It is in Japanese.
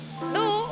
どう？